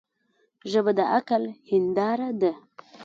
ژبه د عقل هنداره ده